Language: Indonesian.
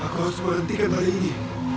aku harus berhenti kembali ini